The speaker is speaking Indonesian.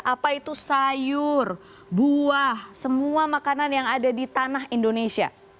apa itu sayur buah semua makanan yang ada di tanah indonesia